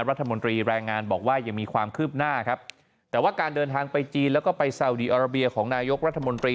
รัฐมนตรีแรงงานบอกว่ายังมีความคืบหน้าครับแต่ว่าการเดินทางไปจีนแล้วก็ไปซาวดีอาราเบียของนายกรัฐมนตรี